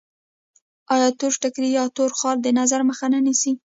آیا تور ټیکری یا تور خال د نظر مخه نه نیسي؟